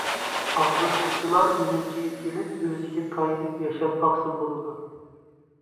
ئاغرىنغۇچىلار ئۈرۈمچىگە كېلىپ ئۆزىگە تايىنىپ ياشاپ باقسا بولىدۇ.